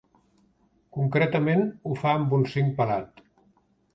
Concretament ho fa amb un cinc pelat.